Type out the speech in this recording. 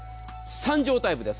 ３帖タイプです。